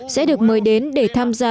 sẽ được mời đến để tham gia